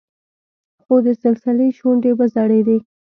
خو د سلسلې شونډې وځړېدې.